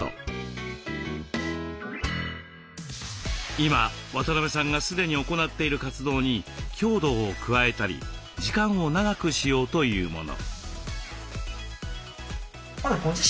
今渡邊さんが既に行っている活動に強度を加えたり時間を長くしようというもの。